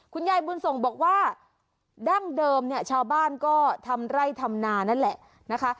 คุณยายบุญส่งบอกว่าดั้งเดิมเนี่ยชาวบ้านก็ทำไร่ทำนานั่นแหละนะคะ